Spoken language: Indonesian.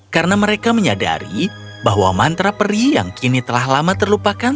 karena mereka menyadari bahwa mantra peri yang kini telah lama terlupakan